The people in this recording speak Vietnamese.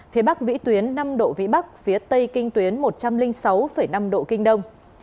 phía bắc vĩ tuyến năm độ vĩ bắc phía tây kinh tuyến một trăm linh sáu năm độ kinh đông